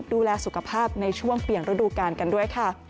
ดูแลสุขภาพในช่วงเปลี่ยนฤดูกาลกันด้วยค่ะ